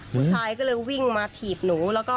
ผู้ชายเราก็วิ่งมาถีบหนู